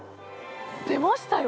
出ましたよ